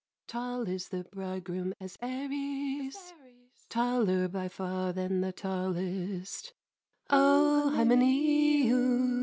Tall is the bridegroom as Ares, Taller by far than the tallest, O Hymenæus! Ay!